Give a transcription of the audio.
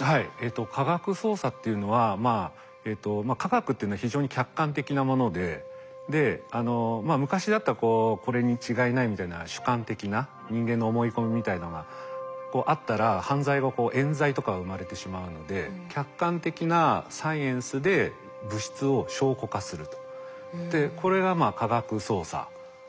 はい科学捜査っていうのはまあ科学っていうのは非常に客観的なもので昔だったらこうこれに違いないみたいな主観的な人間の思い込みみたいのがあったら犯罪がえん罪とかが生まれてしまうのでこれが科学捜査です。